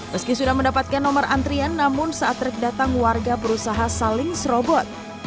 meski sudah mendapatkan nomor antrian namun saat truk datang warga berusaha saling serobot